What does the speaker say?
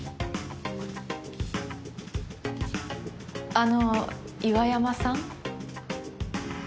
あの岩山さん？